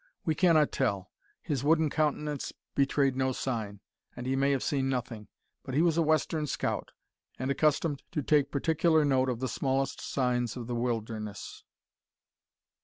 We cannot tell. His wooden countenance betrayed no sign, and he may have seen nothing; but he was a western scout, and accustomed to take particular note of the smallest signs of the wilderness.